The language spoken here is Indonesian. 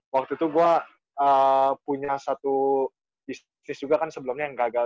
waktu itu gue punya satu bisnis juga kan sebelumnya yang gagal